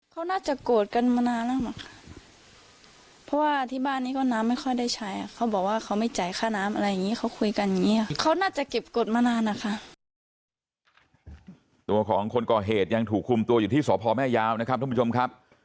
เขาน่าจะโกรธกันมานานแล้วเหรอคะเพราะว่าที่บ้านนี้ก็น้ำไม่ค่อยได้ใช้